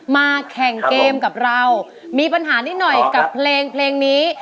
มาแข่งเกมกับเรามีปัญหานิดหน่อยกับเพลงนี้